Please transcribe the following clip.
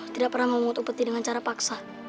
tidak pernah memutuh peti dengan cara paksa